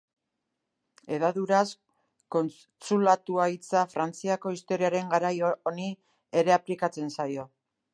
Hedaduraz, Kontsulatua hitza Frantziako historiaren garai honi ere aplikatzen zaio.